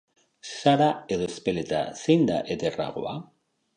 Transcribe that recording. Sara edo Ezpeleta, zein da ederragoa?